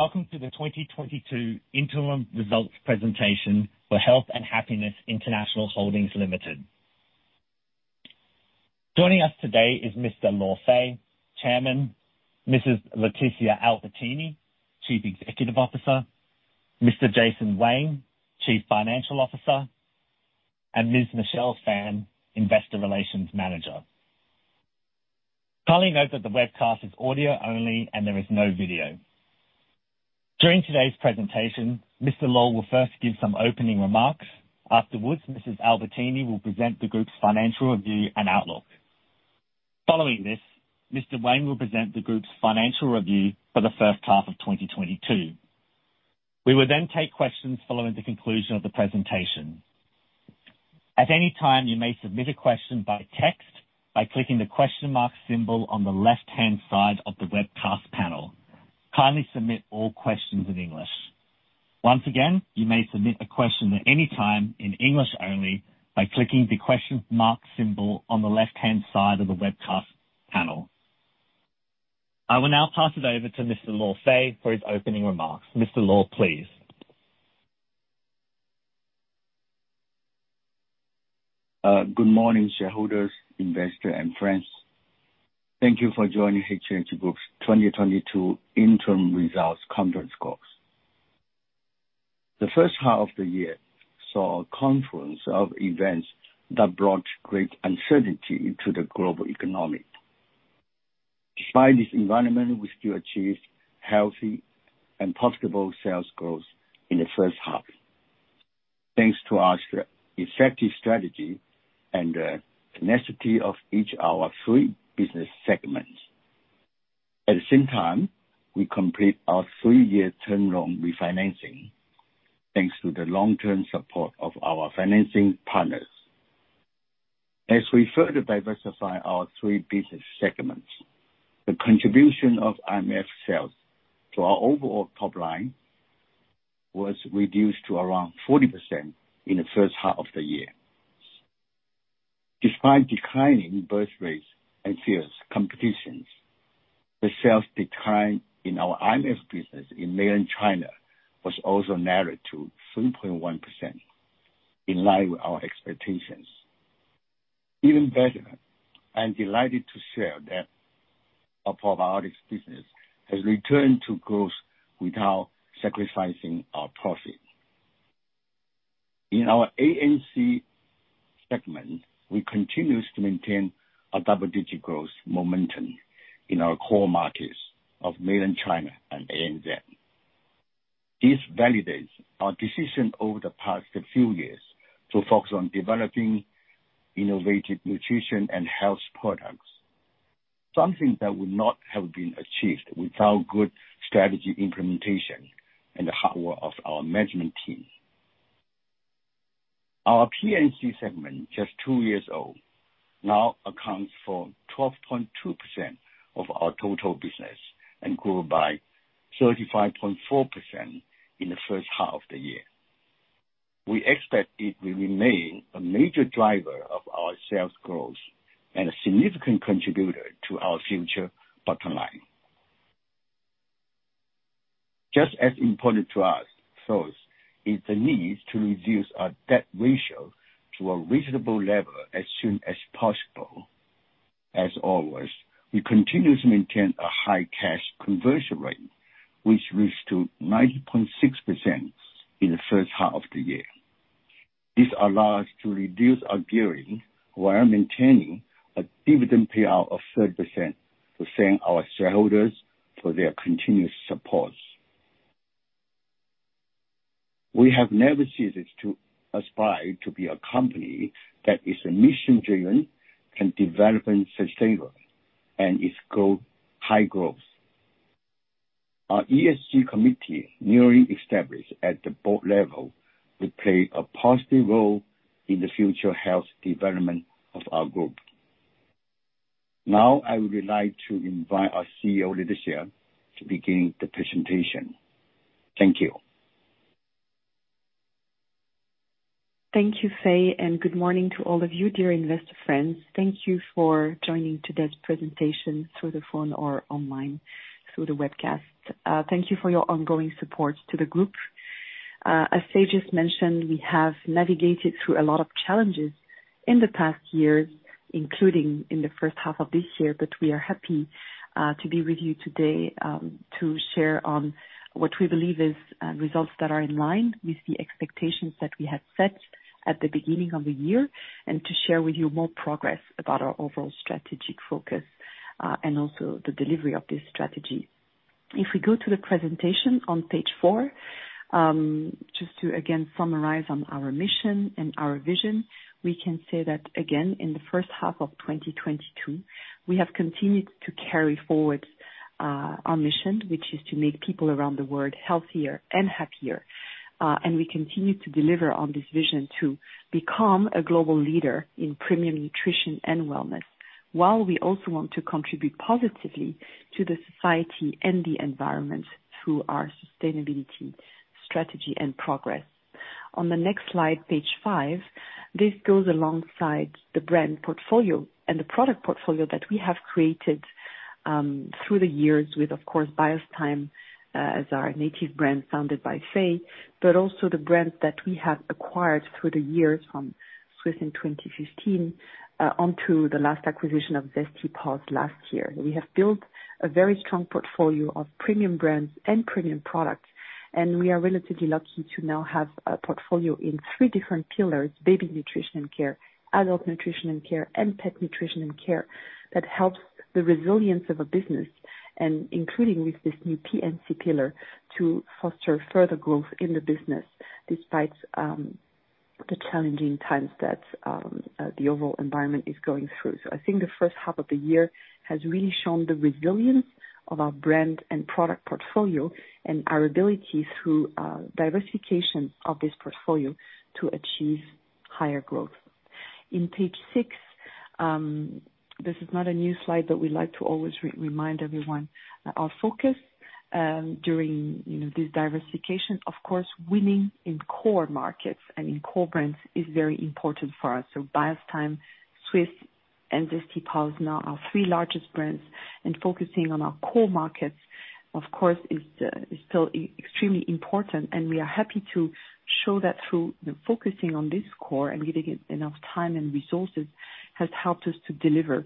Welcome to the 2022 Interim Results Presentation for Health and Happiness International Holdings Limited. Joining us today is Mr. Luo Fei, Chairman. Mrs. Laetitia Albertini, Chief Executive Officer. Mr. Jason Wang, Chief Financial Officer, and Ms. Michelle Fan, Investor Relations Manager. Kindly note that the webcast is audio only and there is no video. During today's presentation, Mr. Luo will first give some opening remarks. Afterwards, Mrs. Albertini will present the group's financial review and outlook. Following this, Mr. Wang will present the group's financial review for the first half of 2022. We will then take questions following the conclusion of the presentation. At any time, you may submit a question by text by clicking the question mark symbol on the left-hand side of the webcast panel. Kindly submit all questions in English. Once again, you may submit a question at any time in English only by clicking the question mark symbol on the left-hand side of the webcast panel. I will now pass it over to Mr. Luo Fei for his opening remarks. Mr. Luo, please. Good morning, shareholders, investors, and friends. Thank you for joining H&H Group's 2022 Interim Results Conference Calls. The first half of the year saw a confluence of events that brought great uncertainty to the global economy. Despite this environment, we still achieved healthy and profitable sales growth in the first half. Thanks to our effective strategy and tenacity of each of our three business segments. At the same time, we completed our three-year term loan refinancing thanks to the long-term support of our financing partners. As we further diversify our three business segments, the contribution of IMF sales to our overall top line was reduced to around 40% in the first half of the year. Despite declining birth rates and fierce competitions, the sales decline in our IMF business in Mainland China was also narrowed to 3.1%, in line with our expectations. Even better, I'm delighted to share that our probiotics business has returned to growth without sacrificing our profit. In our ANC segment, we continue to maintain a double-digit growth momentum in our core markets of Mainland China and ANZ. This validates our decision over the past few years to focus on developing innovative nutrition and health products, something that would not have been achieved without good strategy implementation and the hard work of our management team. Our PNC segment, just two years old, now accounts for 12.2% of our total business and grew by 35.4% in the first half of the year. We expect it will remain a major driver of our sales growth and a significant contributor to our future bottom line. Just as important to us, though, is the need to reduce our debt ratio to a reasonable level as soon as possible. As always, we continue to maintain a high cash conversion rate, which reached to 90.6% in the first half of the year. This allow us to reduce our gearing while maintaining a dividend payout of 30% to thank our shareholders for their continuous supports. We have never ceased to aspire to be a company that is mission-driven and sustainable development, and high growth. Our ESG committee, newly established at the board level, will play a positive role in the future health development of our group. Now, I would like to invite our CEO, Laetitia, to begin the presentation. Thank you. Thank you, Fei, and good morning to all of you, dear investor friends. Thank you for joining today's presentation through the phone or online through the webcast. Thank you for your ongoing support to the group. As Fei just mentioned, we have navigated through a lot of challenges in the past years, including in the first half of this year, but we are happy to be with you today, to share on what we believe is results that are in line with the expectations that we had set at the beginning of the year, and to share with you more progress about our overall strategic focus, and also the delivery of this strategy. If we go to the presentation on page four, just to again summarize on our mission and our vision, we can say that again in the first half of 2022, we have continued to carry forward our mission, which is to make people around the world healthier and happier. We continue to deliver on this vision to become a global leader in premium nutrition and wellness, while we also want to contribute positively to the society and the environment through our sustainability strategy and progress. On the next slide, page five, this goes alongside the brand portfolio and the product portfolio that we have created through the years with of course Biostime as our native brand founded by Fei, but also the brands that we have acquired through the years from Swisse in 2015 onto the last acquisition of Zesty Paws last year. We have built a very strong portfolio of premium brands and premium products, and we are relatively lucky to now have a portfolio in three different pillars, baby nutrition and care, adult nutrition and care, and pet nutrition and care that helps the resilience of a business and including with this new PNC pillar to foster further growth in the business despite the challenging times that the overall environment is going through. I think the first half of the year has really shown the resilience of our brand and product portfolio and our ability through diversification of this portfolio to achieve higher growth. In page six, this is not a new slide, but we like to always remind everyone of our focus during, you know, this diversification, of course, winning in core markets and in core brands is very important for us. Biostime, Swisse, and Zesty Paws, now our three largest brands, and focusing on our core markets, of course, is still extremely important, and we are happy to show that through, you know, focusing on this core and giving it enough time and resources has helped us to deliver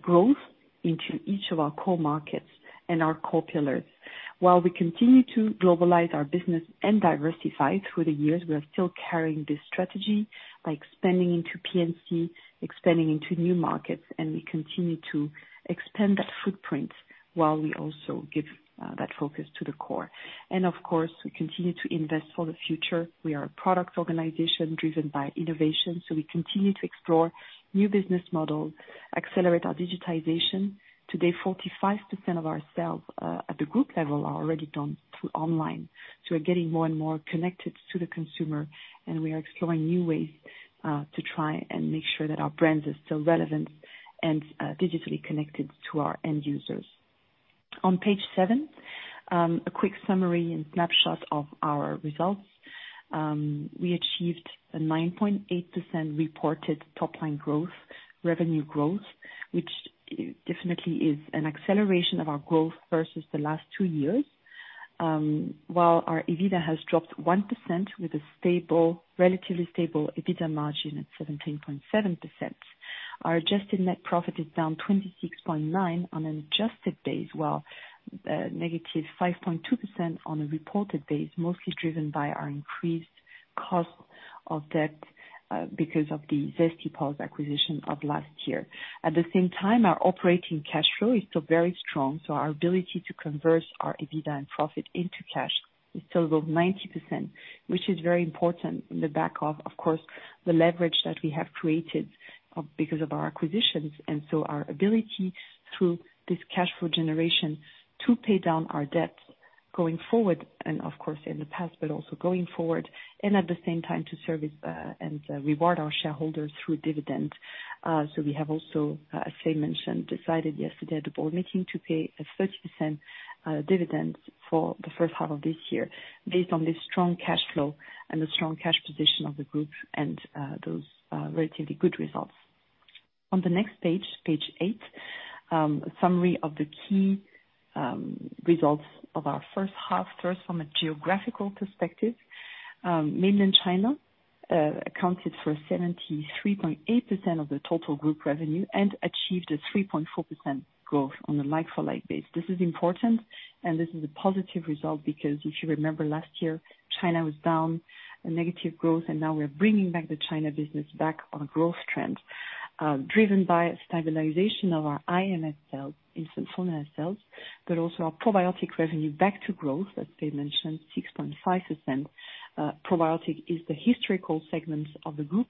growth into each of our core markets and our core pillars. While we continue to globalize our business and diversify through the years, we are still carrying this strategy by expanding into PNC, expanding into new markets, and we continue to expand that footprint while we also give that focus to the core. Of course, we continue to invest for the future. We are a product organization driven by innovation, so we continue to explore new business models, accelerate our digitization. Today, 45% of our sales at the group level are already done through online. We're getting more and more connected to the consumer, and we are exploring new ways to try and make sure that our brands are still relevant and digitally connected to our end users. On page seven, a quick summary and snapshot of our results. We achieved a 9.8% reported top-line growth, revenue growth, which definitely is an acceleration of our growth versus the last two years. While our EBITDA has dropped 1% with a stable, relatively stable EBITDA margin at 17.7%. Our adjusted net profit is down 26.9% on an adjusted basis, while -5.2% on a reported basis, mostly driven by our increased cost of debt because of the Zesty Paws acquisition of last year. At the same time, our operating cash flow is still very strong, so our ability to convert our EBITDA and profit into cash is still above 90%, which is very important in the backdrop of course the leverage that we have created because of our acquisitions and so our ability through this cash flow generation to pay down our debts going forward, and of course in the past, but also going forward and at the same time to service and reward our shareholders through dividends. We have also, as Fei mentioned, decided yesterday at the board meeting to pay a 30% dividend for the first half of this year based on this strong cash flow and the strong cash position of the group and those relatively good results. On the next page eight, a summary of the key results of our first half. First, from a geographical perspective, mainland China accounted for 73.8% of the total group revenue and achieved a 3.4% growth on a like-for-like basis. This is important and this is a positive result because if you remember last year, China was down a negative growth and now we're bringing back the China business back on a growth trend, driven by a stabilization of our IMS sales, infant formula sales, but also our probiotic revenue back to growth, as Fei mentioned, 6.5%. Probiotic is the historical segments of the group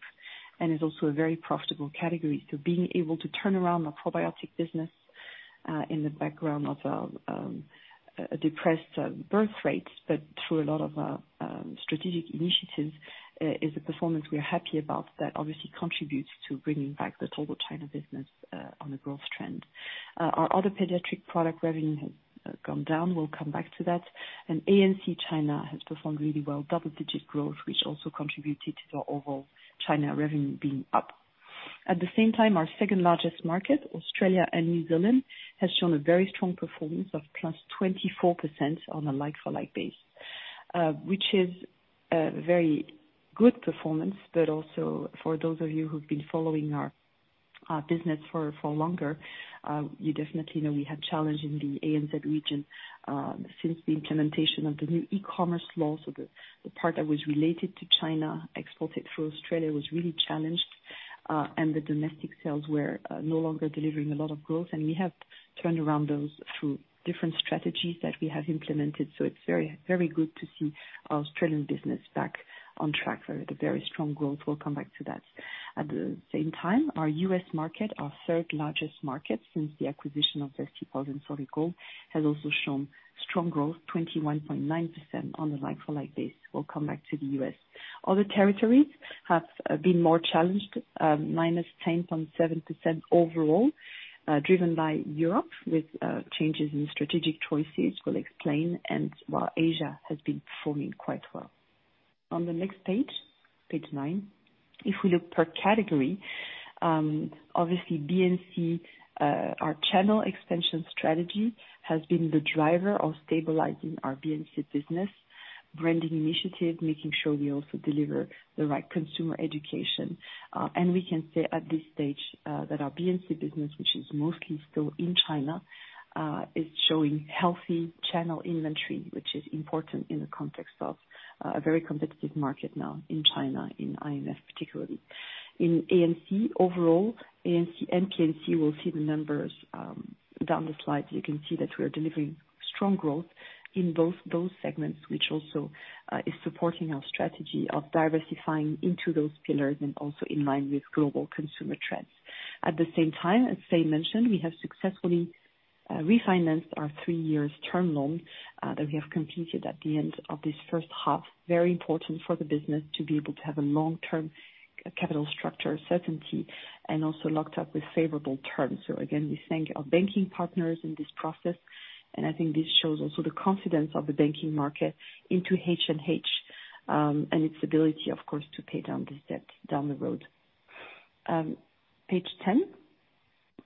and is also a very profitable category. Being able to turn around our probiotic business, in the background of depressed birth rates, but through a lot of strategic initiatives, is a performance we are happy about that obviously contributes to bringing back the total China business, on a growth trend. Our other pediatric product revenue has gone down. We'll come back to that. ANC China has performed really well, double-digit growth, which also contributed to our overall China revenue being up. At the same time, our second-largest market, Australia and New Zealand, has shown a very strong performance of +24% on a like-for-like basis, which is a very good performance. Also for those of you who've been following our business for longer, you definitely know we had challenge in the ANZ region since the implementation of the new e-commerce law. The part that was related to China exported through Australia was really challenged, and the domestic sales were no longer delivering a lot of growth. We have turned around those through different strategies that we have implemented. It's very, very good to see our Australian business back on track with a very strong growth. We'll come back to that. At the same time, our U.S. market, our third-largest market since the acquisition of Zesty Paws and Solid Gold, has also shown strong growth, 21.9% on a like-for-like base. We'll come back to the U.S. Other territories have been more challenged, -10.7% overall, driven by Europe with changes in strategic choices we'll explain, and while Asia has been performing quite well. On the next page nine. If we look per category, obviously BNC, our channel extension strategy has been the driver of stabilizing our BNC business branding initiative, making sure we also deliver the right consumer education. We can say at this stage that our BNC business, which is mostly still in China, is showing healthy channel inventory, which is important in the context of a very competitive market now in China, in IMF particularly. In ANC overall, ANC, PNC will see the numbers down the slides. You can see that we are delivering strong growth in both those segments, which also is supporting our strategy of diversifying into those pillars and also in line with global consumer trends. At the same time, as Faye mentioned, we have successfully refinanced our three years term loan that we have completed at the end of this first half. Very important for the business to be able to have a long-term capital structure certainty and also locked up with favorable terms. Again, we thank our banking partners in this process, and I think this shows also the confidence of the banking market into H&H, and its ability, of course, to pay down this debt down the road. Page ten.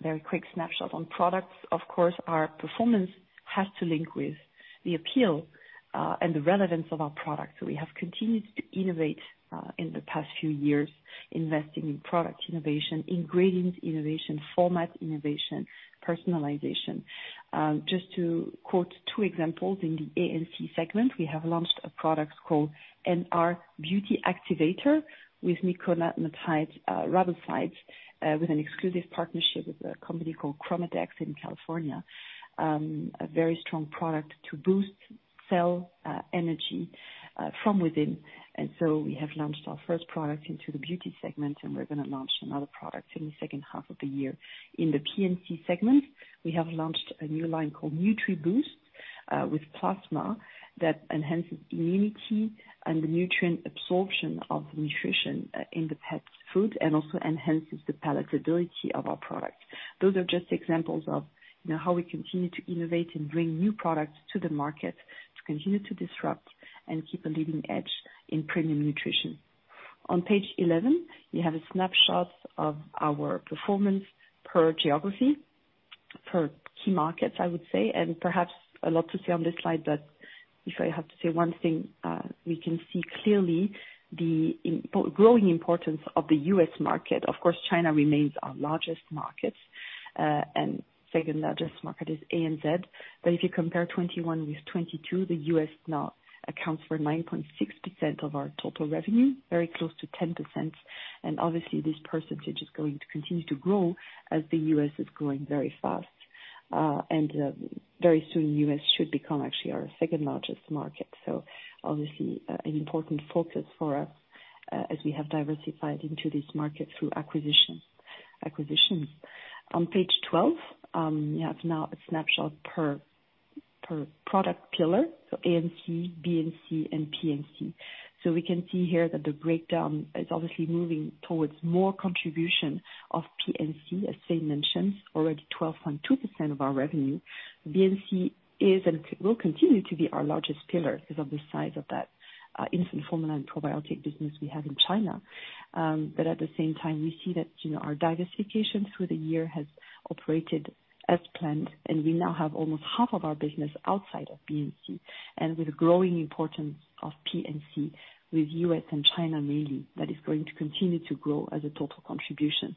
Very quick snapshot on products. Of course, our performance has to link with the appeal, and the relevance of our products. We have continued to innovate in the past few years, investing in product innovation, ingredients innovation, format innovation, personalization. Just to quote two examples, in the ANC segment, we have launched a product called NR Beauty Activator with nicotinamide riboside, with an exclusive partnership with a company called ChromaDex in California. A very strong product to boost cell energy from within. We have launched our first product into the beauty segment, and we're gonna launch another product in the second half of the year. In the PNC segment, we have launched a new line called NutriBoost, with plasma that enhances immunity and the nutrient absorption of nutrition, in the pet's food and also enhances the palatability of our products. Those are just examples of, you know, how we continue to innovate and bring new products to the market to continue to disrupt and keep a leading edge in premium nutrition. On page 11, you have a snapshot of our performance per geography, per key markets, I would say, and perhaps a lot to see on this slide. If I have to say one thing, we can see clearly the growing importance of the U.S. market. Of course, China remains our largest market, and second largest market is ANZ. If you compare 2021 with 2022, the U.S. now accounts for 9.6% of our total revenue, very close to 10%. Obviously, this percentage is going to continue to grow as the U.S. is growing very fast. Very soon, U.S. should become actually our second largest market. Obviously, an important focus for us, as we have diversified into this market through acquisitions. On page 12, you have now a snapshot per product pillar, so ANC, BNC, and PNC. We can see here that the breakdown is obviously moving towards more contribution of PNC, as Fei mentioned, already 12.2% of our revenue. BNC is and will continue to be our largest pillar because of the size of that infant formula and probiotic business we have in China. At the same time, we see that, you know, our diversification through the year has operated as planned, and we now have almost half of our business outside of BNC. With the growing importance of PNC with U.S. and China mainly, that is going to continue to grow as a total contribution.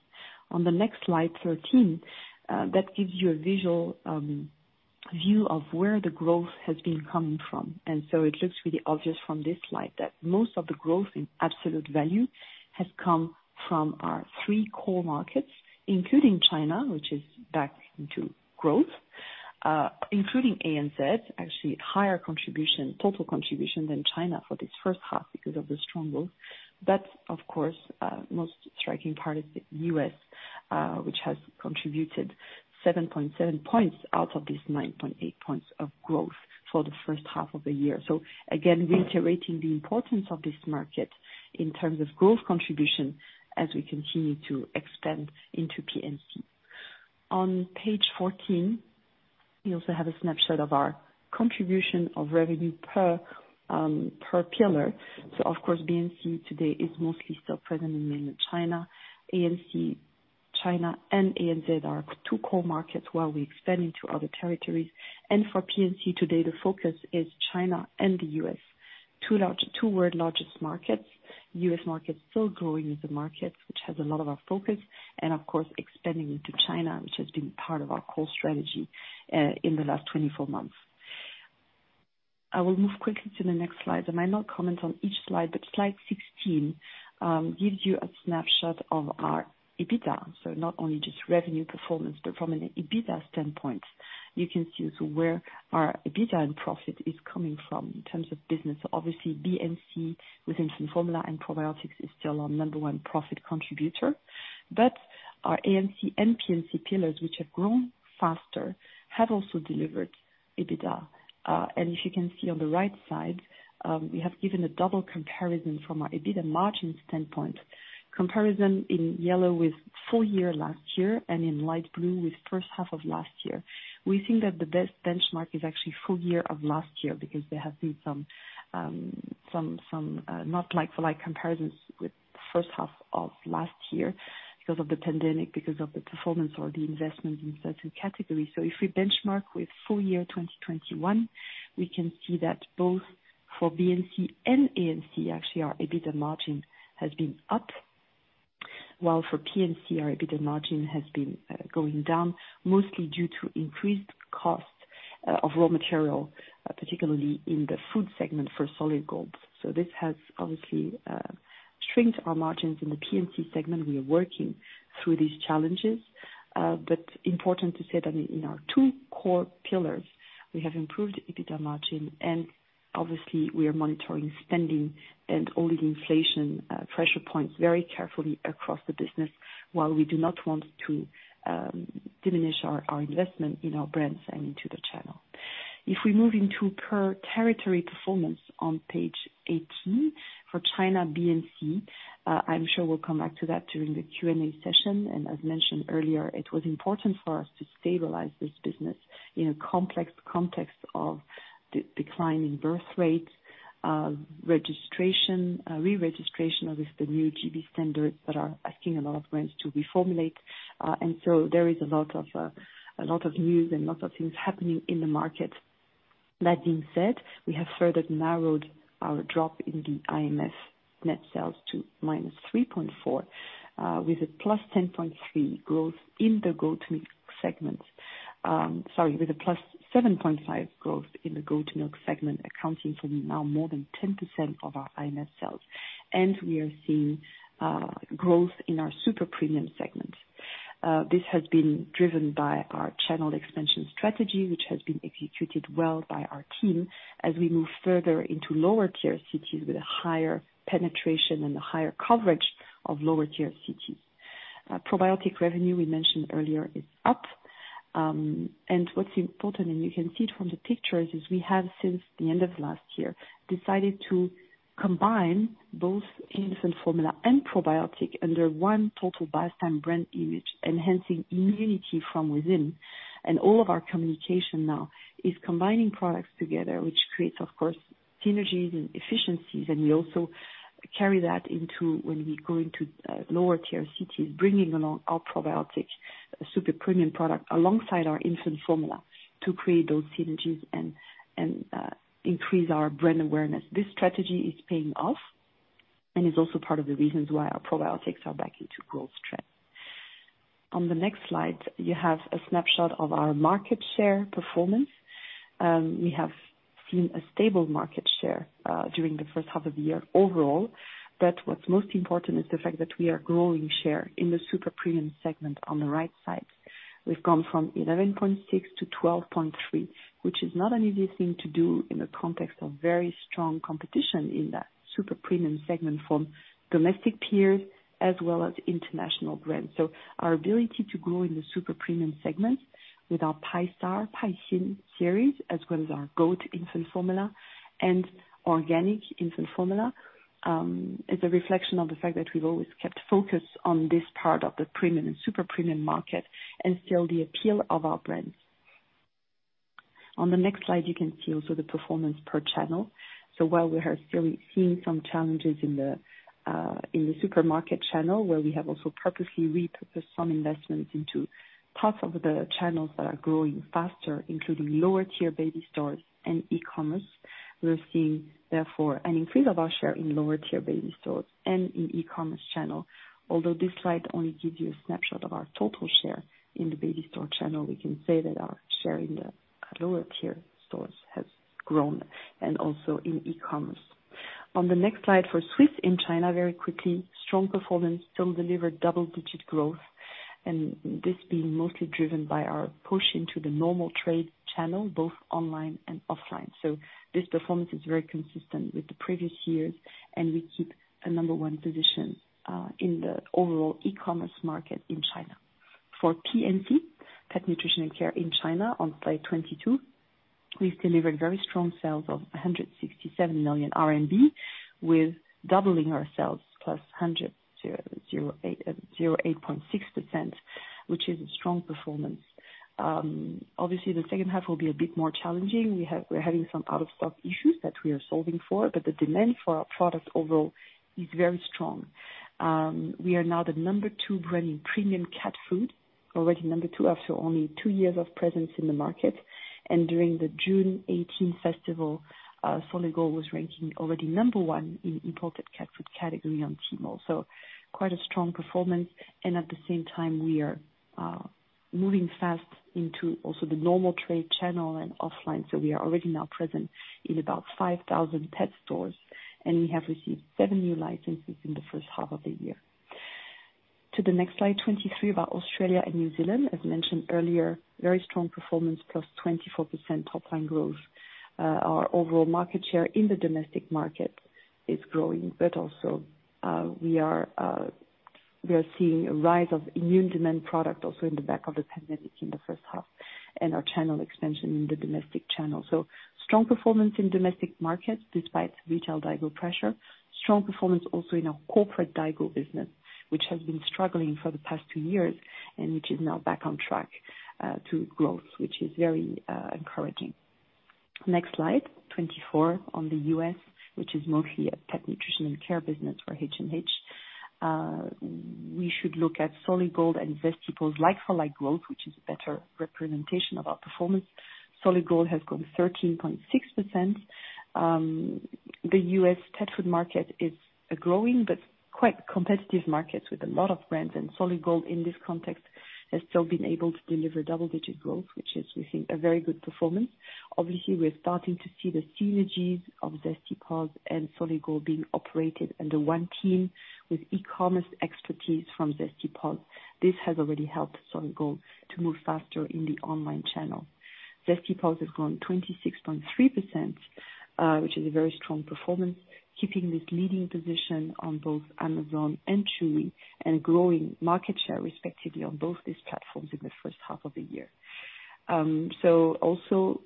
On the next slide, 13, that gives you a visual view of where the growth has been coming from. It looks really obvious from this slide that most of the growth in absolute value has come from our three core markets, including China, which is back into growth, including ANZ, actually higher contribution, total contribution than China for this first half because of the strong growth. Most striking part is the U.S., which has contributed 7.7% out of these 9.8% of growth for the first half of the year. Again, reiterating the importance of this market in terms of growth contribution as we continue to expand into PNC. On page 14, we also have a snapshot of our contribution of revenue per per pillar. Of course, BNC today is mostly still present in mainland China. ANC, China, and ANZ are two core markets while we expand into other territories. For PNC today, the focus is China and the U.S., two large, two world largest markets. U.S. market is still growing as a market which has a lot of our focus. Of course expanding into China, which has been part of our core strategy, in the last 24 months. I will move quickly to the next slide. I might not comment on each slide, but slide 16 gives you a snapshot of our EBITDA. Not only just revenue performance, but from an EBITDA standpoint, you can see also where our EBITDA and profit is coming from in terms of business. Obviously BNC with infant formula and probiotics is still our number one profit contributor. Our ANC and PNC pillars, which have grown faster, have also delivered. If you can see on the right side, we have given a double comparison from our EBITDA margin standpoint, comparison in yellow with full year last year and in light blue with first half of last year. We think that the best benchmark is actually full year of last year because there have been some not like-for-like comparisons with first half of last year because of the pandemic, because of the performance or the investment in certain categories. If we benchmark with full year 2021, we can see that both for BNC and ANC actually our EBITDA margin has been up, while for PNC our EBITDA margin has been going down, mostly due to increased costs of raw material, particularly in the food segment for Solid Gold. This has obviously shrunk our margins in the PNC segment. We are working through these challenges, but important to say that in our two core pillars we have improved EBITDA margin and obviously we are monitoring spending and all the inflation pressure points very carefully across the business while we do not want to diminish our investment in our brands and into the channel. If we move into per territory performance on page 18 for China BNC, I'm sure we'll come back to that during the Q&A session. As mentioned earlier, it was important for us to stabilize this business in a complex context of declining birth rates, registration, re-registration of the new GB standards that are asking a lot of brands to reformulate. There is a lot of news and lots of things happening in the market. That being said, we have further narrowed our drop in the IMS net sales to -3.4%, with a +10.3% growth in the goat milk segment. Sorry, with a +7.5% growth in the goat milk segment, accounting for now more than 10% of our IMS sales. We are seeing growth in our super premium segment. This has been driven by our channel expansion strategy, which has been executed well by our team as we move further into lower tier cities with a higher penetration and a higher coverage of lower tier cities. Probiotic revenue we mentioned earlier is up. What's important, and you can see it from the pictures, is we have since the end of last year decided to combine both infant formula and probiotic under one total Biostime brand image, enhancing immunity from within. All of our communication now is combining products together, which creates, of course, synergies and efficiencies. We also carry that into when we go into lower tier cities, bringing along our probiotic super premium product alongside our infant formula to create those synergies and increase our brand awareness. This strategy is paying off and is also part of the reasons why our probiotics are back into growth trend. On the next slide, you have a snapshot of our market share performance. We have seen a stable market share during the first half of the year overall. What's most important is the fact that we are growing share in the super premium segment on the right side. We've gone from 11.6%-12.3%, which is not an easy thing to do in the context of very strong competition in that super premium segment from domestic peers as well as international brands. Our ability to grow in the super premium segment with our Biostime, Paixing series, as well as our goat infant formula and organic infant formula, is a reflection of the fact that we've always kept focus on this part of the premium and super premium market and still the appeal of our brands. On the next slide, you can see also the performance per channel. While we are still seeing some challenges in the supermarket channel, where we have also purposely repurposed some investments into parts of the channels that are growing faster, including lower tier baby stores and e-commerce, we're seeing therefore an increase of our share in lower tier baby stores and in e-commerce channel. Although this slide only gives you a snapshot of our total share in the baby store channel, we can say that our share in the lower tier stores has grown and also in e-commerce. On the next slide for Swisse in China, very quickly, strong performance still delivered double-digit growth, and this being mostly driven by our push into the normal trade channel, both online and offline. This performance is very consistent with the previous years, and we keep a number-one position in the overall e-commerce market in China. For PNC, Pet Nutrition & Care in China on slide 22, we've delivered very strong sales of 167 million RMB, with doubling our sales plus 108.6%, which is a strong performance. Obviously the second half will be a bit more challenging. We're having some out of stock issues that we are solving for, but the demand for our products overall is very strong. We are now the number two brand in premium cat food, already number two after only two years of presence in the market. During the June 18 festival, Solid Gold was ranking already number one in imported cat food category on Tmall. Quite a strong performance. At the same time we are moving fast into also the normal trade channel and offline. We are already now present in about 5,000 pet stores, and we have received seven new licenses in the first half of the year. To the next slide, 23, about Australia and New Zealand. As mentioned earlier, very strong performance, +24% top line growth. Our overall market share in the domestic market is growing, but also, we are seeing a rise of immune demand product also in the back of the pandemic in the first half, and our channel expansion in the domestic channel. Strong performance in domestic markets despite retail daigou pressure. Strong performance also in our corporate daigou business, which has been struggling for the past two years and which is now back on track to growth, which is very encouraging. Next slide, 24, on the U.S., which is mostly a pet nutrition and care business for H&H. We should look at Solid Gold and Zesty Paws like for like growth, which is a better representation of our performance. Solid Gold has grown 13.6%. The U.S. pet food market is a growing but quite competitive market with a lot of brands. Solid Gold in this context has still been able to deliver double-digit growth, which is, we think, a very good performance. Obviously, we're starting to see the synergies of Zesty Paws and Solid Gold being operated under one team with e-commerce expertise from Zesty Paws. This has already helped Solid Gold to move faster in the online channel. Zesty Paws has grown 26.3%, which is a very strong performance, keeping this leading position on both Amazon and Chewy, and growing market share respectively on both these platforms in the first half of the year. Also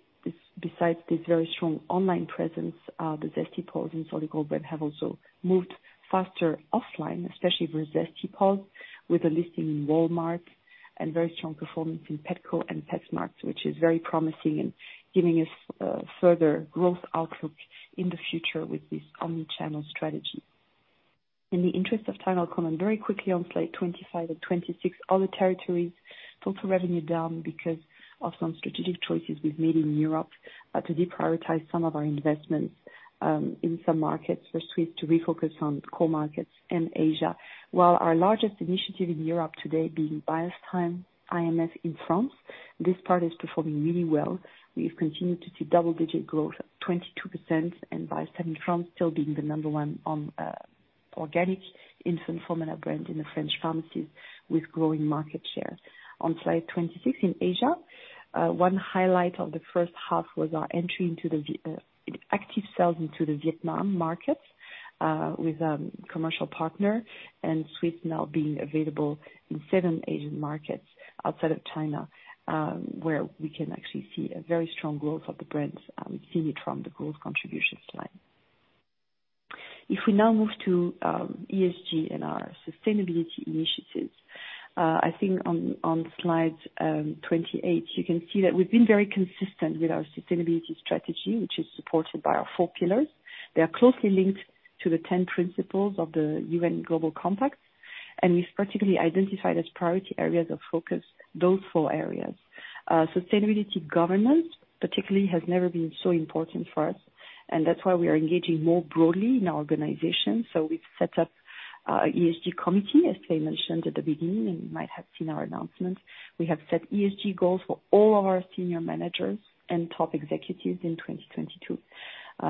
besides this very strong online presence, the Zesty Paws and Solid Gold brand have also moved faster offline, especially for Zesty Paws, with a listing in Walmart and very strong performance in Petco and PetSmart, which is very promising in giving us further growth outlook in the future with this omni-channel strategy. In the interest of time, I'll comment very quickly on slide 25 and 26. Other territories, total revenue down because of some strategic choices we've made in Europe to deprioritize some of our investments in some markets for Swisse to refocus on core markets and Asia. While our largest initiative in Europe today being Biostime IMS in France, this part is performing really well. We've continued to see double-digit growth of 22%, and Biostime in France still being the number one organic infant formula brand in the French pharmacies with growing market share. On slide 26, in Asia, one highlight of the first half was our entry into Vietnam, active sales into the Vietnam market, with a commercial partner, and Swisse now being available in seven Asian markets outside of China, where we can actually see a very strong growth of the brands, we've seen it from the growth contribution slide. If we now move to ESG and our sustainability initiatives, I think on slide 28, you can see that we've been very consistent with our sustainability strategy, which is supported by our four pillars. They are closely linked to the ten principles of the UN Global Compact, and we've particularly identified as priority areas of focus, those four areas. Sustainability governance particularly has never been so important for us, and that's why we are engaging more broadly in our organization. We've set up an ESG committee, as I mentioned at the beginning, and you might have seen our announcements. We have set ESG goals for all of our senior managers and top executives in 2022.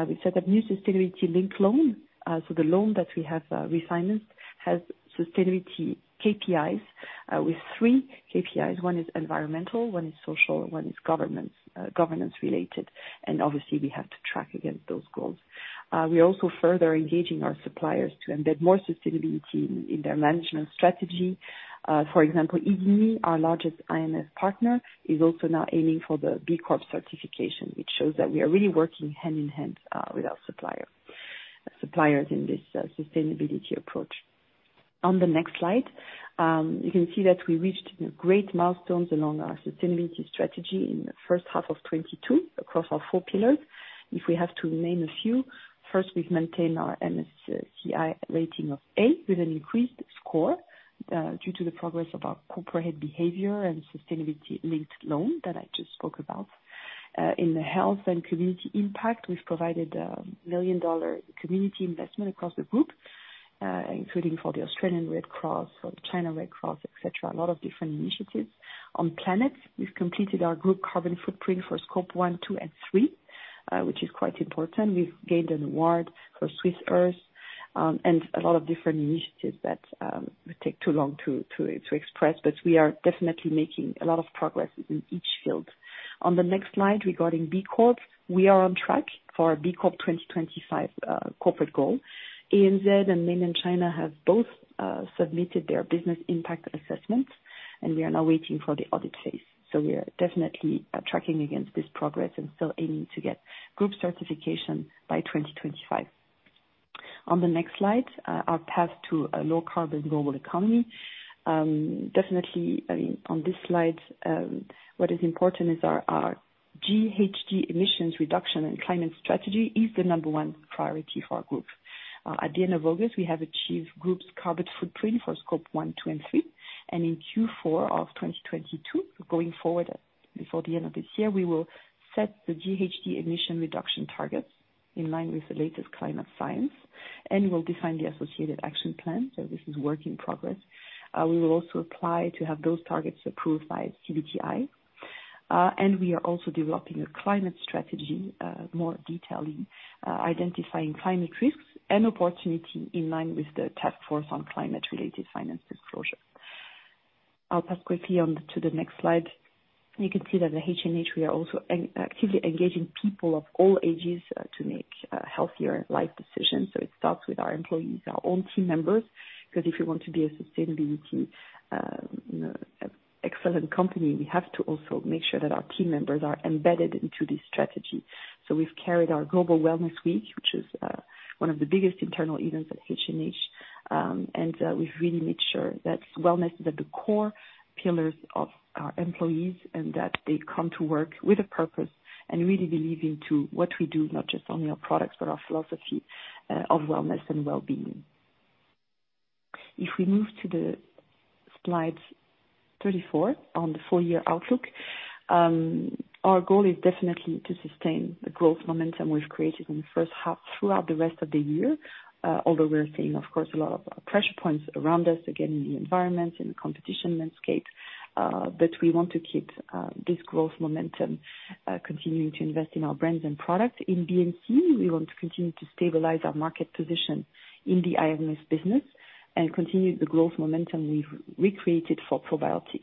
We set up a new sustainability-linked loan. The loan that we have refinanced has sustainability KPIs with three KPIs. One is environmental, one is social, one is governance-related. Obviously we have to track against those goals. We are also further engaging our suppliers to embed more sustainability in their management strategy. For example, Isigny, our largest IMS partner, is also now aiming for the B Corp certification, which shows that we are really working hand-in-hand with our suppliers in this sustainability approach. On the next slide, you can see that we reached great milestones along our sustainability strategy in the first half of 2022 across our four pillars. If we have to name a few, first, we've maintained our MSCI rating of A with an increased score due to the progress of our corporate behavior and sustainability-linked loan that I just spoke about. In the health and community impact, we've provided $1 million community investment across the group, including for the Australian Red Cross, for the Red Cross Society of China, et cetera, a lot of different initiatives. On planet, we've completed our group carbon footprint for scope 1, 2, and 3, which is quite important. We've gained an award for Swisse Earth, and a lot of different initiatives that will take too long to express, but we are definitely making a lot of progress in each field. On the next slide, regarding B Corps, we are on track for our B Corp 2025 corporate goal. ANZ and Mainland China have both submitted their business impact assessment, and we are now waiting for the audit phase. We are definitely tracking against this progress and still aiming to get group certification by 2025. On the next slide, our path to a low carbon global economy. Definitely, I mean, on this slide, what is important is our GHG emissions reduction and climate strategy is the number one priority for our group. At the end of August, we have achieved group's carbon footprint for scope 1, 2, and 3, and in Q4 of 2022, going forward before the end of this year, we will set the GHG emission reduction targets in line with the latest climate science, and we'll define the associated action plan. This is work in progress. We will also apply to have those targets approved by SBTi. We are also developing a climate strategy, more detailing, identifying climate risks and opportunity in line with the task force on climate-related financial disclosure. I'll pass quickly on to the next slide. You can see that at H&H, we are also actively engaging people of all ages, to make healthier life decisions. It starts with our employees, our own team members, because if you want to be a sustainable, you know, excellent company, we have to also make sure that our team members are embedded into this strategy. We've carried our Global Wellness Week, which is one of the biggest internal events at H&H. We've really made sure that wellness is at the core pillars of our employees and that they come to work with a purpose and really believe in what we do, not just in our products, but our philosophy of wellness and well-being. If we move to the slide 34 on the full year outlook, our goal is definitely to sustain the growth momentum we've created in the first half throughout the rest of the year, although we're seeing, of course, a lot of pressure points around us, again, in the environment, in the competition landscape, but we want to keep this growth momentum, continuing to invest in our brands and products. In BNC, we want to continue to stabilize our market position in the IMS business and continue the growth momentum we've recreated for probiotic,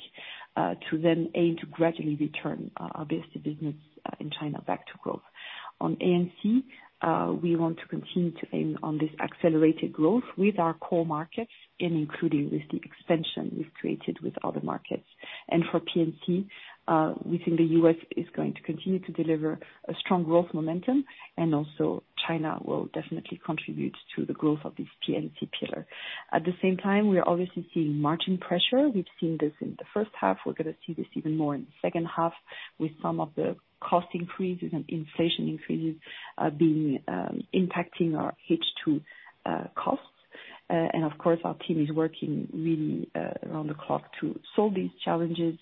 to then aim to gradually return our best business in China back to growth. On ANC, we want to continue to aim on this accelerated growth with our core markets and including with the expansion we've created with other markets. For PNC, we think the U.S. is going to continue to deliver a strong growth momentum, and also China will definitely contribute to the growth of this PNC pillar. At the same time, we are obviously seeing margin pressure. We've seen this in the first half. We're gonna see this even more in the second half with some of the cost increases and inflation increases being impacting our H2 costs. And of course, our team is working really around the clock to solve these challenges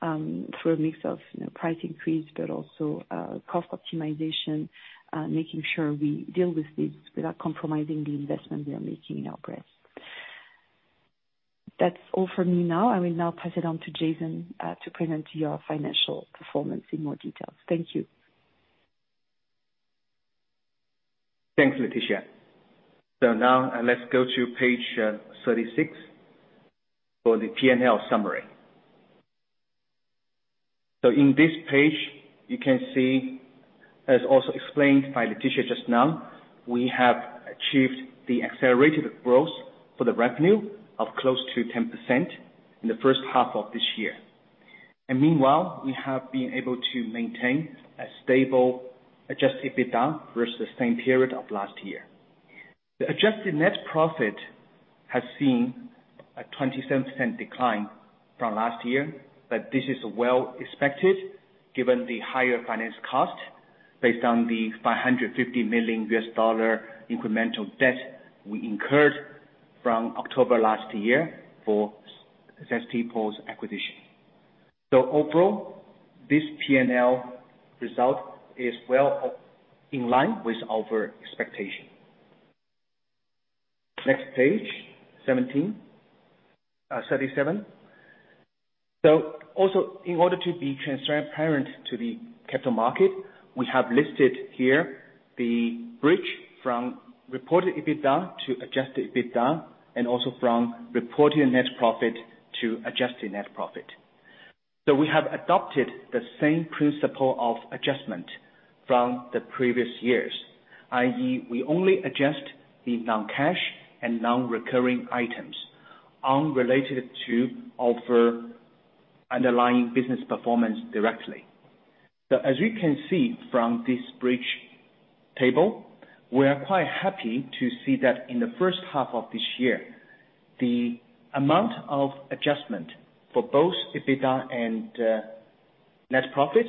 through a mix of, you know, price increase but also cost optimization, making sure we deal with these without compromising the investment we are making in our brands. That's all from me now. I will now pass it on to Jason to present your financial performance in more details. Thank you. Thanks, Laetitia. Now let's go to page 36 for the P&L summary. In this page, you can see, as also explained by Laetitia just now, we have achieved the accelerated growth for the revenue of close to 10% in the first half of this year. Meanwhile, we have been able to maintain a stable adjusted EBITDA versus the same period of last year. The adjusted net profit has seen a 27% decline from last year, but this is well expected given the higher finance cost based on the $550 million incremental debt we incurred from October last year for Zesty Paws acquisition. Overall, this P&L result is in line with our expectation. Next page, 17. 37. Also in order to be transparent to the capital market, we have listed here the bridge from reported EBITDA to adjusted EBITDA, and also from reported net profit to adjusted net profit. We have adopted the same principle of adjustment from the previous years, i.e., we only adjust the non-cash and non-recurring items unrelated to our underlying business performance directly. As you can see from this bridge table, we are quite happy to see that in the first half of this year, the amount of adjustment for both EBITDA and net profit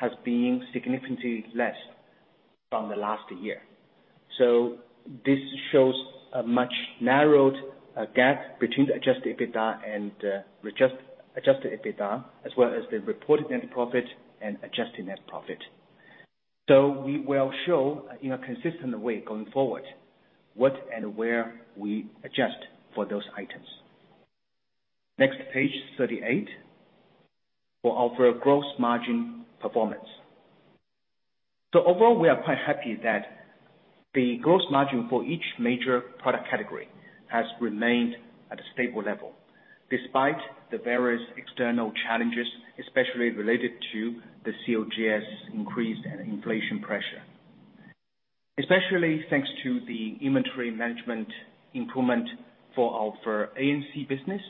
has been significantly less from the last year. This shows a much narrowed gap between the adjusted EBITDA and adjusted EBITDA, as well as the reported net profit and adjusted net profit. We will show, in a consistent way going forward, what and where we adjust for those items. Next, page 38 for our gross margin performance. Overall, we are quite happy that the gross margin for each major product category has remained at a stable level despite the various external challenges, especially related to the COGS increase and inflation pressure. Especially thanks to the inventory management improvement for our ANC business,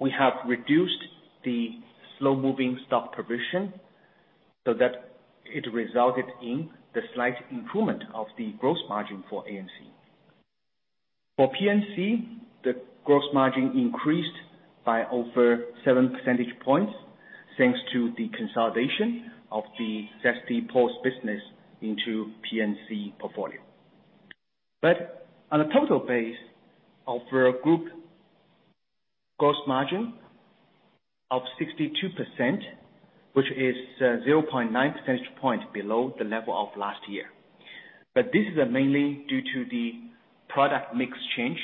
we have reduced the slow-moving stock provision so that it resulted in the slight improvement of the gross margin for ANC. For PNC, the gross margin increased by over seven percentage points, thanks to the consolidation of the Zesty Paws business into PNC portfolio. On a total base of our group gross margin of 62%, which is 0.9 percentage point below the level of last year. This is mainly due to the product mix change,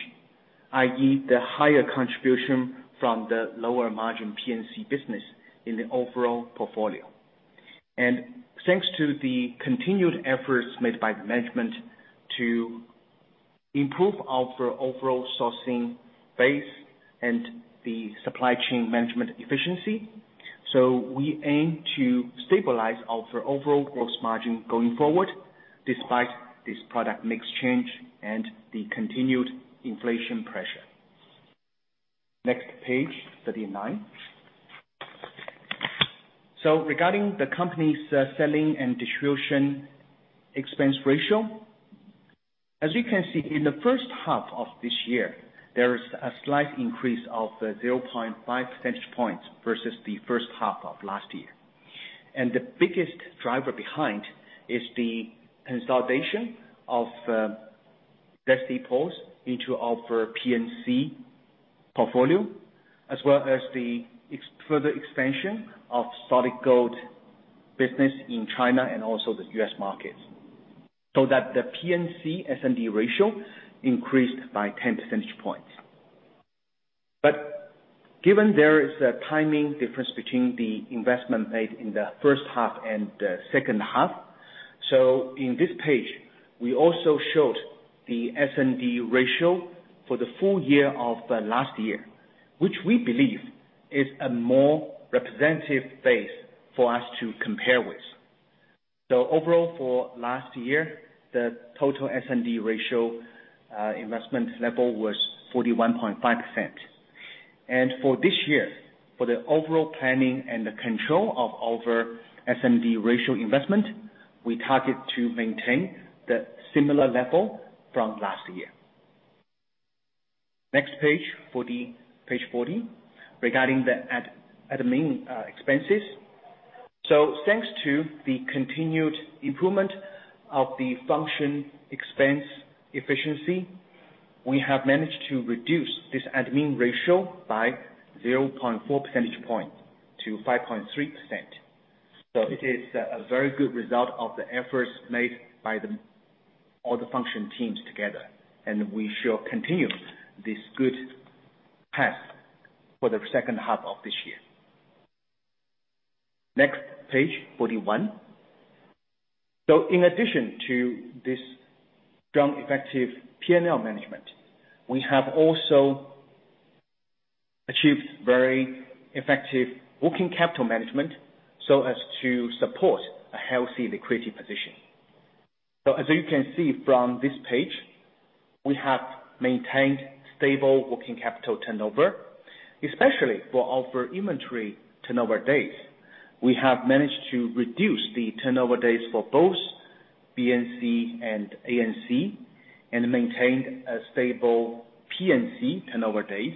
i.e., the higher contribution from the lower margin PNC business in the overall portfolio. Thanks to the continued efforts made by management to improve our overall sourcing base and the supply chain management efficiency. We aim to stabilize our overall gross margin going forward despite this product mix change and the continued inflation pressure. Next page, 39. Regarding the company's selling and distribution expense ratio, as you can see, in the first half of this year, there is a slight increase of 0.5 percentage points versus the first half of last year. The biggest driver behind is the consolidation of Zesty Paws into our PNC portfolio, as well as the further expansion of Solid Gold business in China and also the U.S. markets. The PNC S&D ratio increased by 10 percentage points. Given there is a timing difference between the investment made in the first half and the second half, in this page, we also showed the S&D ratio for the full year of last year, which we believe is a more representative base for us to compare with. Overall for last year, the total S&D ratio investment level was 41.5%. For this year, for the overall planning and the control of our S&D ratio investment, we target to maintain the similar level from last year. Next page 40. Regarding the admin expenses. Thanks to the continued improvement of the functional expense efficiency, we have managed to reduce this admin ratio by 0.4 percentage point to 5.3%. It is a very good result of the efforts made by all the function teams together, and we shall continue this good path for the second half of this year. Next page, 41. In addition to this strong effective P&L management, we have also achieved very effective working capital management so as to support a healthy liquidity position. As you can see from this page, we have maintained stable working capital turnover, especially for our inventory turnover days. We have managed to reduce the turnover days for both BNC and ANC and maintained a stable PNC turnover days.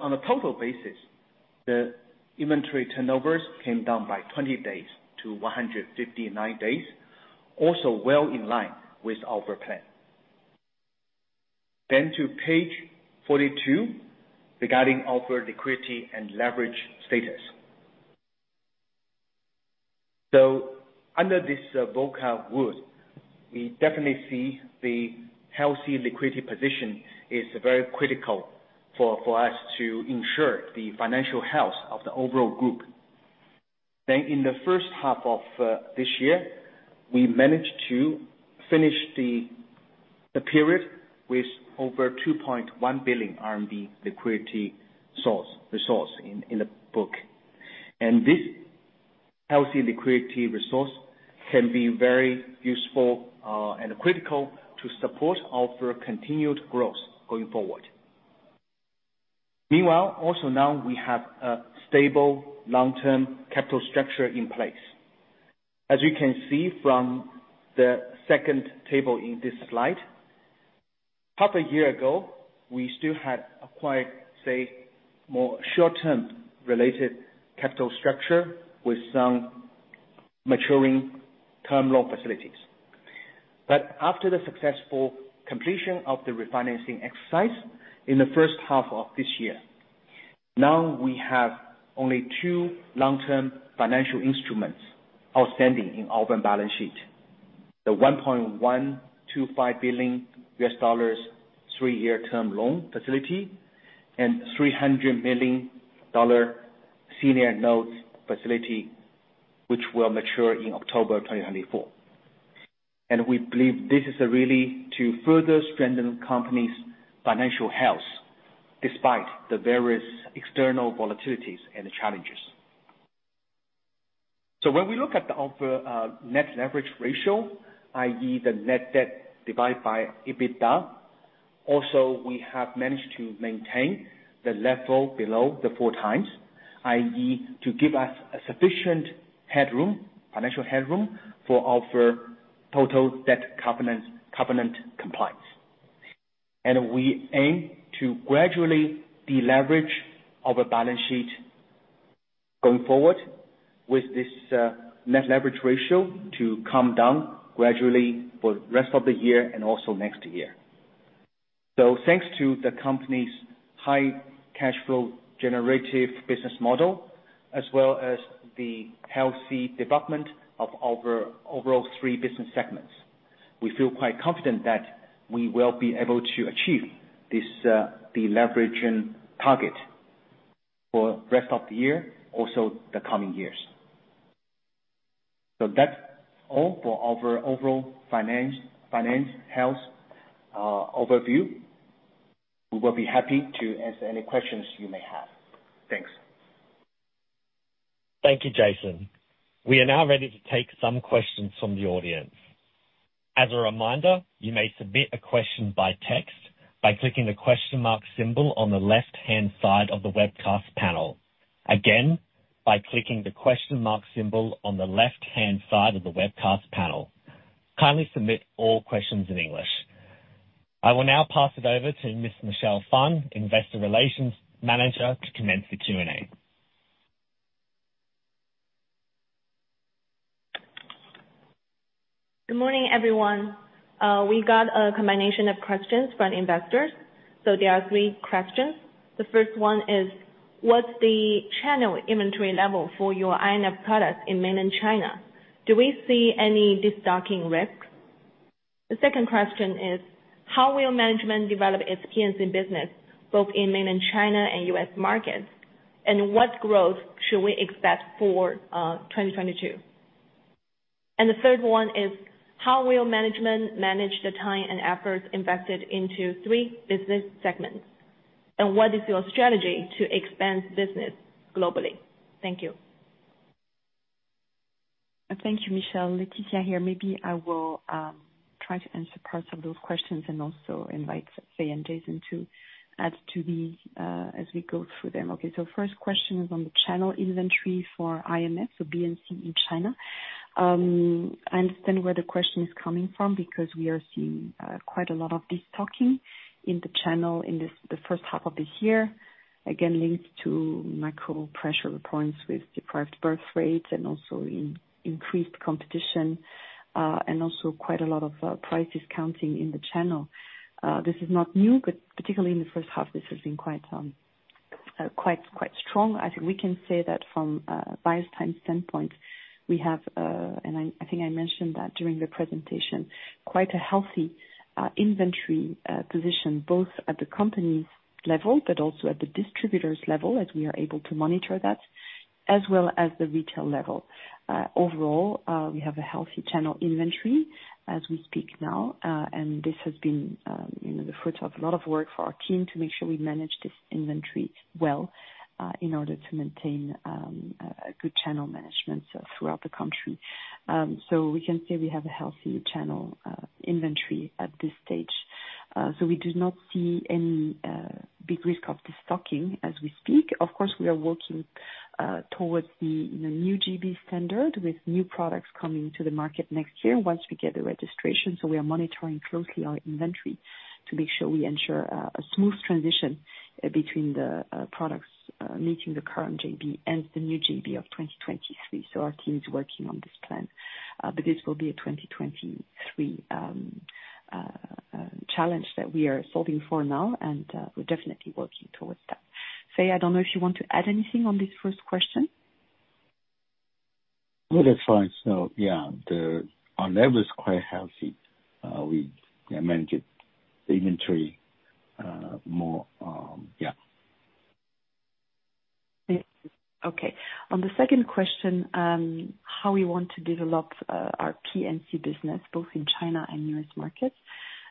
On a total basis, the inventory turnovers came down by 20 days-159 days, also well in line with our plan. To page 42, regarding our liquidity and leverage status. Under this Volcker Rule, we definitely see the healthy liquidity position is very critical for us to ensure the financial health of the overall group. In the first half of this year, we managed to finish the period with over 2.1 billion RMB liquidity source, resource in the book. This healthy liquidity resource can be very useful and critical to support our continued growth going forward. Meanwhile, also now we have a stable long-term capital structure in place. As you can see from the second table in this slide, half a year ago, we still had acquired, say, more short-term related capital structure with some maturing term loan facilities. After the successful completion of the refinancing exercise in the first half of this year, now we have only two long-term financial instruments outstanding in our balance sheet. The $1.125 billion, three-year term loan facility and $300 million senior notes facility, which will mature in October 2024. We believe this is really to further strengthen company's financial health despite the various external volatilities and challenges. When we look at the net leverage ratio, i.e., the net debt divided by EBITDA, also we have managed to maintain the level below the 4x, i.e., to give us a sufficient headroom, financial headroom, for our total debt covenant compliance. We aim to gradually deleverage our balance sheet going forward with this net leverage ratio to come down gradually for the rest of the year and also next year. Thanks to the company's high cash flow generative business model, as well as the healthy development of our overall three business segments. We feel quite confident that we will be able to achieve this, deleveraging target for rest of the year, also the coming years. That's all for our overall finance health overview. We will be happy to answer any questions you may have. Thanks. Thank you, Jason. We are now ready to take some questions from the audience. As a reminder, you may submit a question by text by clicking the question mark symbol on the left-hand side of the webcast panel. Again, by clicking the question mark symbol on the left-hand side of the webcast panel. Kindly submit all questions in English. I will now pass it over to Ms. Michelle Fan, Investor Relations Manager, to commence the Q&A. Good morning, everyone. We got a combination of questions from investors. There are three questions. The first one is what's the channel inventory level for your INAP products in Mainland China? Do we see any destocking risk? The second question is how will management develop its PNC business both in Mainland China and U.S. markets, and what growth should we expect for 2022? The third one is, how will management manage the time and effort invested into three business segments, and what is your strategy to expand business globally? Thank you. Thank you, Michelle. Laetitia here. Maybe I will try to answer parts of those questions and also invite Fei and Jason to add to the, as we go through them. Okay. First question is on the channel inventory for IMS, so BNC in China. I understand where the question is coming from because we are seeing quite a lot of destocking in the channel in the first half of the year, again linked to macro pressure points with depressed birth rates and also an increased competition and also quite a lot of price discounting in the channel. This is not new, but particularly in the first half, this has been quite strong. I think we can say that from a Biostime standpoint, we have, and I think I mentioned that during the presentation, quite a healthy inventory position both at the company level but also at the distributors level, as we are able to monitor that, as well as the retail level. Overall, we have a healthy channel inventory as we speak now, and this has been, you know, the fruit of a lot of work for our team to make sure we manage this inventory well, in order to maintain a good channel management throughout the country. We can say we have a healthy channel inventory at this stage. We do not see any big risk of destocking as we speak. Of course, we are working towards the, you know, new GB standard with new products coming to the market next year once we get the registration. We are monitoring closely our inventory to make sure we ensure a smooth transition between the products meeting the current GB and the new GB of 2023. Our team is working on this plan. This will be a 2023 challenge that we are solving for now, and we're definitely working towards that. Fei, I don't know if you want to add anything on this first question. No, that's fine. Our level is quite healthy. We manage inventory more. Okay. On the second question, how we want to develop our PNC business both in China and U.S. markets.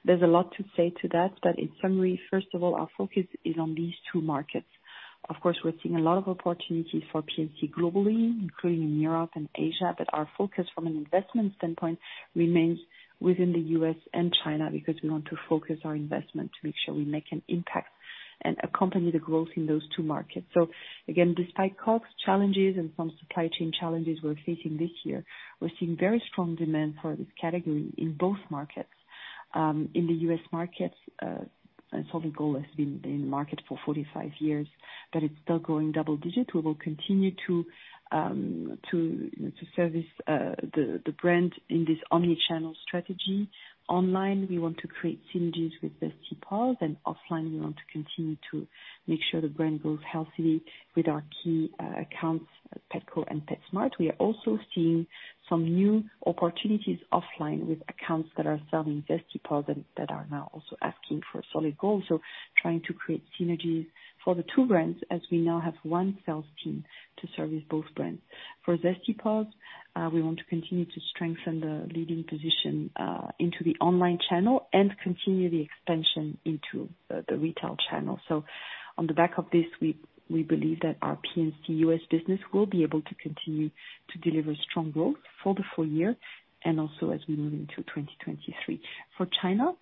There's a lot to say to that, but in summary, first of all, our focus is on these two markets. Of course, we're seeing a lot of opportunities for PNC globally, including in Europe and Asia, but our focus from an investment standpoint remains within the U.S. and China because we want to focus our investment to make sure we make an impact and accompany the growth in those two markets. Again, despite cost challenges and some supply chain challenges we're facing this year, we're seeing very strong demand for this category in both markets. In the U.S. markets, Solid Gold has been in market for 45 years, but it's still growing double-digit. We will continue to service the brand in this omni-channel strategy. Online, we want to create synergies with Zesty Paws, and offline we want to continue to make sure the brand grows healthily with our key accounts, Petco and PetSmart. We are also seeing some new opportunities offline with accounts that are selling Zesty Paws and that are now also asking for Solid Gold. Trying to create synergies for the two brands as we now have one sales team to service both brands. For Zesty Paws, we want to continue to strengthen the leading position into the online channel and continue the expansion into the retail channel. On the back of this, we believe that our PNC US business will be able to continue to deliver strong growth for the full year and also as we move into 2023. For China,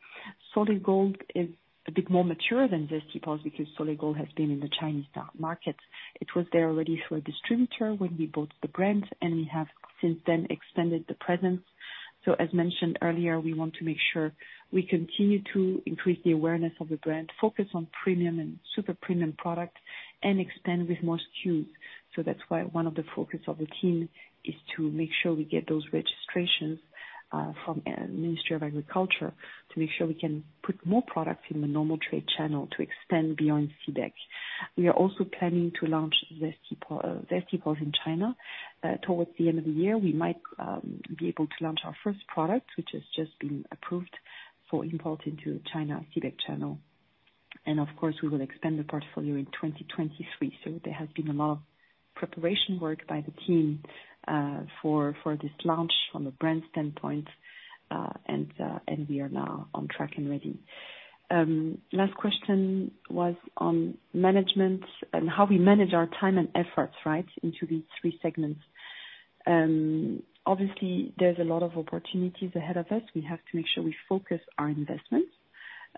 Solid Gold is a bit more mature than Zesty Paws because Solid Gold has been in the Chinese daigou markets. It was there already through a distributor when we bought the brand, and we have since then expanded the presence. As mentioned earlier, we want to make sure we continue to increase the awareness of the brand, focus on premium and super premium product, and expand with more SKUs. That's why one of the focus of the team is to make sure we get those registrations from Ministry of Agriculture to make sure we can put more products in the normal trade channel to extend beyond CBEC. We are also planning to launch Zesty Paws in China. Towards the end of the year, we might be able to launch our first product, which has just been approved for import into China CBEC channel. Of course, we will expand the portfolio in 2023. There has been a lot of preparation work by the team for this launch from a brand standpoint. We are now on track and ready. Last question was on management and how we manage our time and efforts right into these three segments. Obviously, there's a lot of opportunities ahead of us. We have to make sure we focus our investments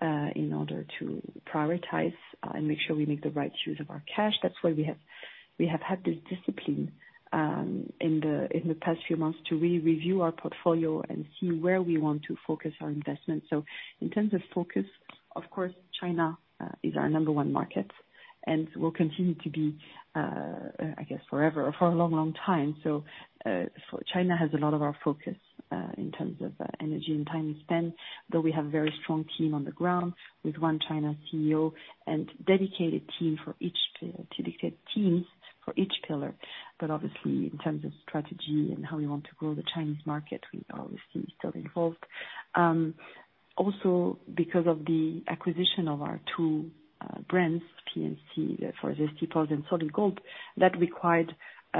in order to prioritize and make sure we make the right use of our cash. That's why we have had this discipline in the past few months to review our portfolio and see where we want to focus our investments. In terms of focus, of course, China is our number one market and will continue to be, I guess forever, for a long, long time. China has a lot of our focus in terms of energy and time we spend, though we have a very strong team on the ground with one China CEO and dedicated teams for each pillar. Obviously, in terms of strategy and how we want to grow the Chinese market, we are obviously still involved. Also because of the acquisition of our two brands, PNC, for Zesty Paws and Solid Gold, that required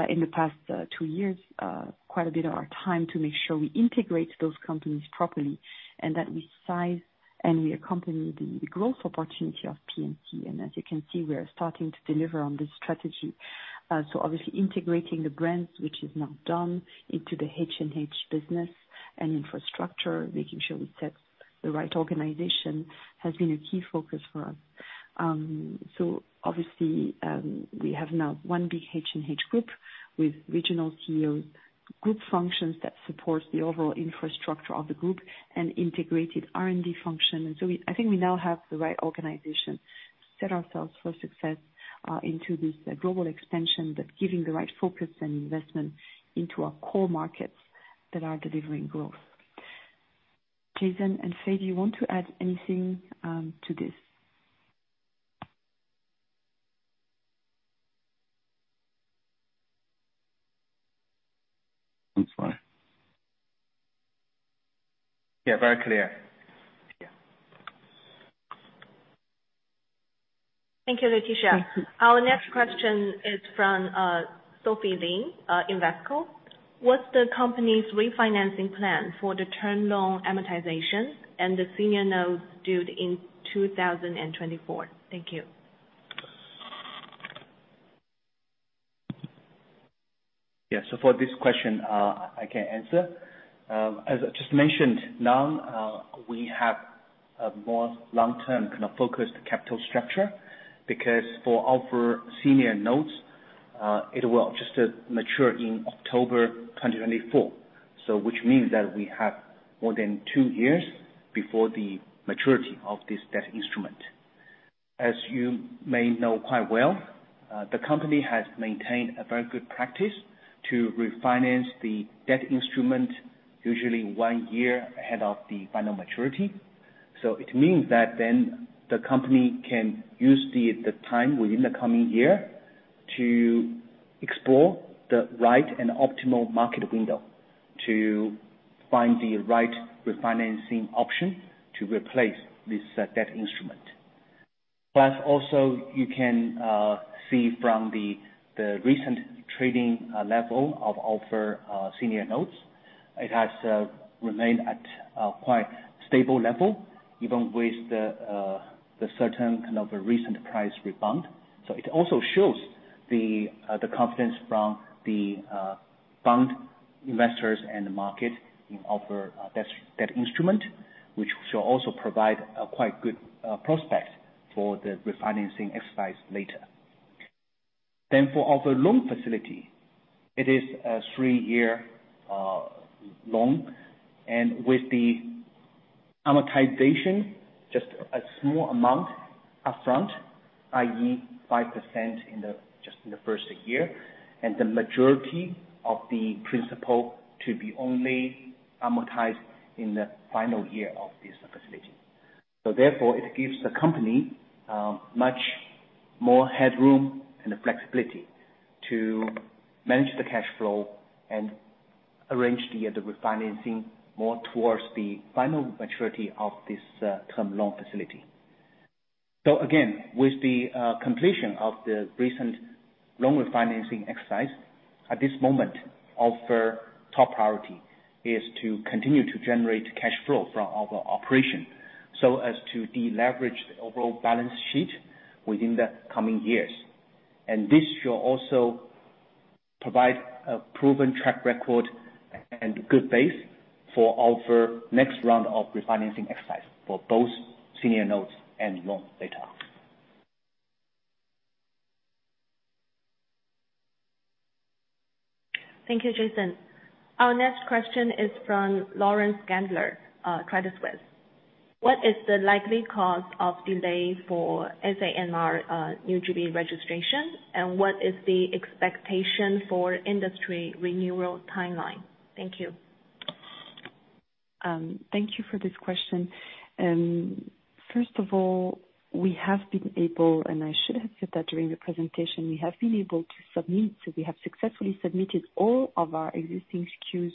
in the past two years quite a bit of our time to make sure we integrate those companies properly and that we size and we accompany the growth opportunity of PNC. As you can see, we are starting to deliver on this strategy. Obviously integrating the brands, which is now done into the H&H business and infrastructure, making sure we set the right organization, has been a key focus for us. Obviously, we have now one big H&H Group with regional CEOs, group functions that supports the overall infrastructure of the group and integrated R&D function. I think we now have the right organization to set ourselves for success into this global expansion, but giving the right focus and investment into our core markets that are delivering growth. Jason and Fei, do you want to add anything to this? That's fine. Yeah, very clear. Yeah. Thank you, Laetitia. Thank you. Our next question is from Sophie Lin, Invesco. What's the company's refinancing plan for the term loan amortization and the senior notes due in 2024? Thank you. For this question, I can answer. As just mentioned now, we have a more long-term kind of focused capital structure because for our senior notes, it will just mature in October 2024. Which means that we have more than two years before the maturity of this debt instrument. As you may know quite well, the company has maintained a very good practice to refinance the debt instrument usually one year ahead of the final maturity. It means that then the company can use the time within the coming year to explore the right and optimal market window to find the right refinancing option to replace this debt instrument. Also you can see from the recent trading level of our senior notes, it has remained at a quite stable level, even with the certain kind of a recent price rebound. It also shows the confidence from the bond investors and the market in our debt instrument, which shall also provide a quite good prospect for the refinancing exercise later. For our loan facility, it is a three-year loan. With the amortization, just a small amount upfront, i.e., 5% in the first year, and the majority of the principal to be only amortized in the final year of this facility. Therefore, it gives the company much more headroom and flexibility to manage the cash flow and arrange the refinancing more towards the final maturity of this term loan facility. Again, with the completion of the recent loan refinancing exercise, at this moment, our top priority is to continue to generate cash flow from our operation so as to deleverage the overall balance sheet within the coming years. This should also provide a proven track record and good base for our next round of refinancing exercise for both senior notes and loans later. Thank you, Jason. Our next question is from Lawrence Gandler, Credit Suisse. What is the likely cause of delay for SAMR, new GB registration, and what is the expectation for industry renewal timeline? Thank you. Thank you for this question. First of all, I should have said that during the presentation, we have been able to submit. We have successfully submitted all of our existing SKUs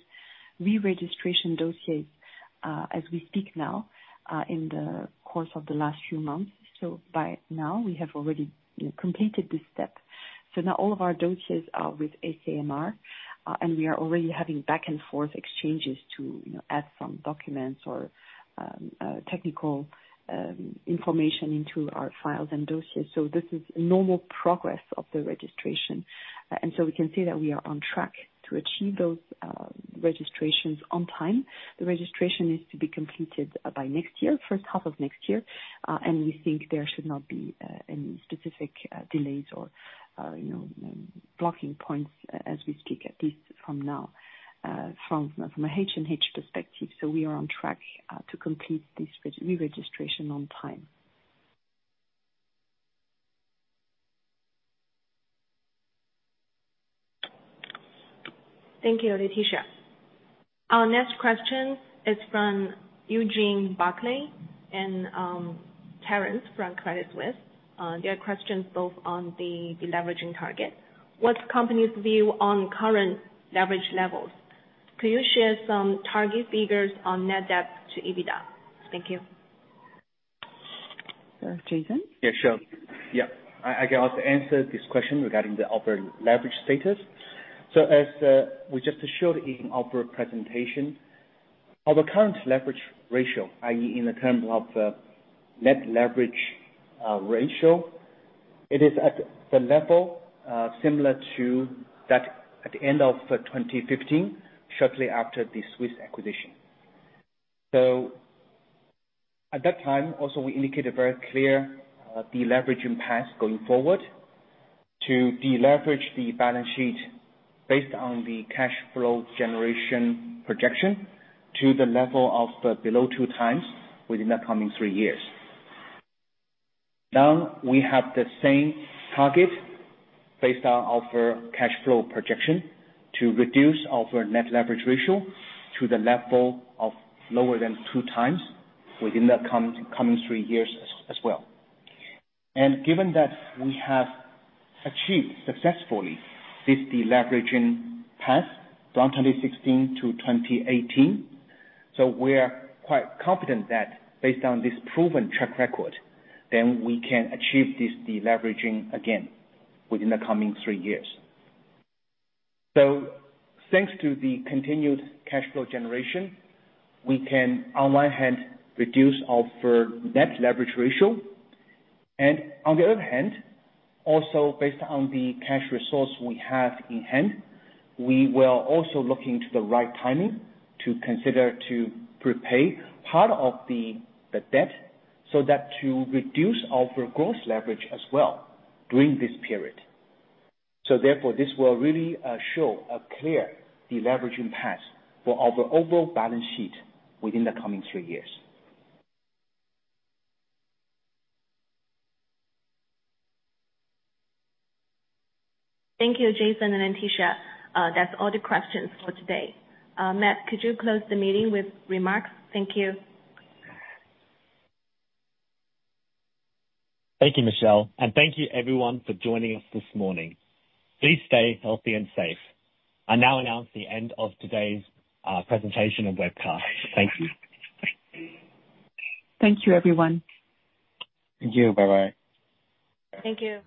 re-registration dossiers as we speak now in the course of the last few months. By now we have already completed this step. Now all of our dossiers are with SAMR, and we are already having back and forth exchanges to, you know, add some documents or technical information into our files and dossiers. This is normal progress of the registration. We can say that we are on track to achieve those registrations on time. The registration is to be completed by next year, first half of next year, and we think there should not be any specific delays or you know blocking points as we speak, at least from now, from a H&H perspective. We are on track to complete this re-registration on time. Thank you, Laetitia. Our next question is from Eugene Buckley and Terence from Credit Suisse. Their question's both on the deleveraging target. What's company's view on current leverage levels? Could you share some target figures on net debt to EBITDA? Thank you. Jason? Yeah, sure. Yeah. I can also answer this question regarding the operating leverage status. As we just showed in our presentation, our current leverage ratio, i.e., in terms of net leverage ratio, it is at the level similar to that at the end of 2015, shortly after the Swisse acquisition. At that time, also, we indicated very clear deleveraging path going forward to deleverage the balance sheet based on the cash flow generation projection to the level of below 2x within the coming three years. Now, we have the same target based on our cash flow projection to reduce our net leverage ratio to the level of lower than 2x within the coming three years as well. Given that we have achieved successfully this deleveraging path from 2016-2018, we're quite confident that based on this proven track record, we can achieve this deleveraging again within the coming three years. Thanks to the continued cash flow generation, we can, on one hand, reduce our net leverage ratio. On the other hand, also, based on the cash resource we have in hand, we will also look into the right timing to consider to prepay part of the debt so that to reduce our gross leverage as well during this period. This will really show a clear deleveraging path for our overall balance sheet within the coming two years. Thank you, Jason and Laetitia. That's all the questions for today. Matt, could you close the meeting with remarks? Thank you. Thank you, Michelle, and thank you everyone for joining us this morning. Please stay healthy and safe. I now announce the end of today's presentation and webcast. Thank you. Thank you, everyone. Thank you. Bye-bye. Thank you.